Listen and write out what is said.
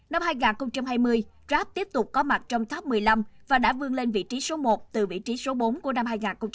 năm hai nghìn hai mươi grab tiếp tục có mặt trong top một mươi năm và đã vươn lên vị trí số một từ vị trí số bốn của năm hai nghìn hai mươi